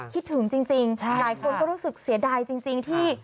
คิดถึงจริงหลายคนก็รู้สึกเสียดายจริงที่